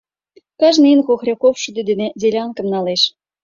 Кажне ийын Хохряков шӱдӧ дене делянкым налеш.